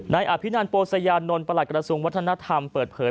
อภินันโปสยานนท์ประหลักกระทรวงวัฒนธรรมเปิดเผย